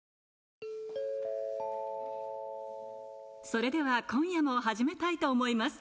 それでは今夜も始めたいと思います